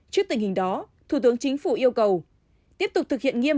trước tình hình đó thủ tướng chính phủ yêu cầu tiếp tục thực hiện nghiêm